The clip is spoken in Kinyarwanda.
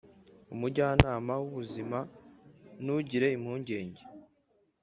Umujyanama w ubuzima Ntugire impungenge.